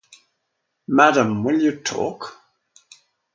Madam, Will You Talk?